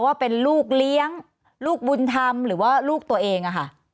ว่าเป็นลูกเลี้ยงลูกบุญธรรมหรือว่าลูกตัวเองอะค่ะ